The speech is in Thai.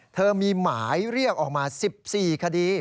เธอมีหมายเรียกออกมา๑๔คดี